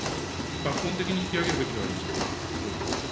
抜本的に引き上げるべきではありませんか。